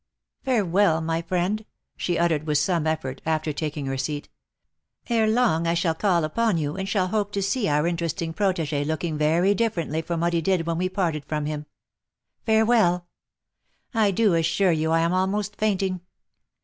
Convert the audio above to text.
" Farewell, my friend !" she uttered with some effort, after taking her seat :" ere long I shall call upon you, and shall hope to see our interesting protege looking very differently from what he did when we parted from him. Farewell ! I do assure you I am almost fainting